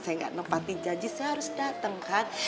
saya nggak nempati janji saya harus dateng kan